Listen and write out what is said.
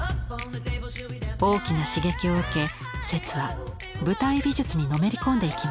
大きな刺激を受け摂は舞台美術にのめり込んでいきます。